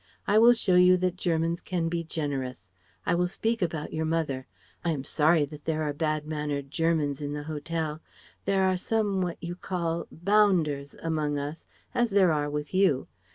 I will show you that Germans can be generous. I will speak about your mother. I am sorry that there are bad mannered Germans in the hotel. There are some what you call 'bounders' among us, as there are with you.